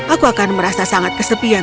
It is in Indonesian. aku akan merasa sangat kesepian